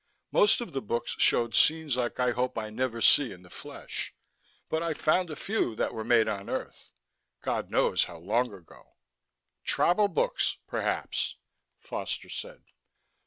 Most of the books showed scenes like I hope I never see in the flesh, but I found a few that were made on earth God knows how long ago." "Travel books, perhaps," Foster said.